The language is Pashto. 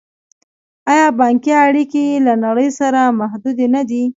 آیا بانکي اړیکې یې له نړۍ سره محدودې نه دي؟